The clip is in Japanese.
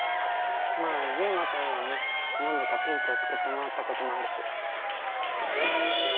まあユウマとオリオンに何度かピンチをすくってもらったこともあるし。